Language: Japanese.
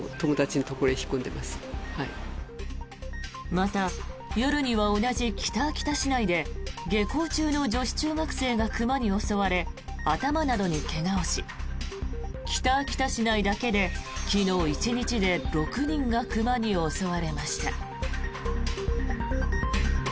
また、夜には同じ北秋田市内で下校中の女子中学生が熊に襲われ頭などに怪我をし北秋田市内だけで昨日１日で６人が熊に襲われました。